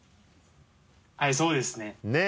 はいそうですね。ねぇ。